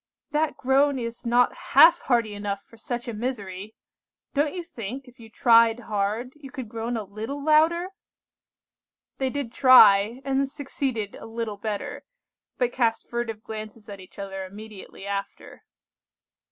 "That groan is not half hearty enough for such a misery. Don't you think, if you tried hard, you could groan a little louder?" They did try, and succeeded a little better, but cast furtive glances at each other immediately after.